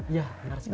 iya benar sekali